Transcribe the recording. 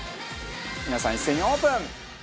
皆さん一斉にオープン！